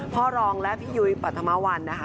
พ่อรองและพี่ยุยปัฒนาวันนะคะ